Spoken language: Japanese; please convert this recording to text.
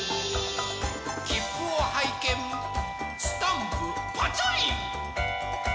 きっぷをはいけんスタンプパチョリン。